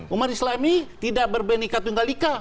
umat islam ini tidak berbeneka tunggal ika